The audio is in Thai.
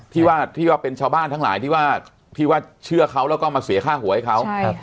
ที่ว่าที่ว่าเป็นชาวบ้านทั้งหลายที่ที่ว่าเชื่อเขาแล้วก็มาเสียค่าหัวให้เขา